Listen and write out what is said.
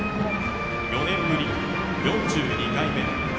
４年ぶり４２回目。